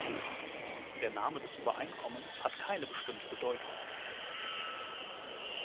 Der Name des Übereinkommens hat keine bestimmte Bedeutung.